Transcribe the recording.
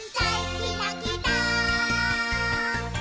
キラキラ」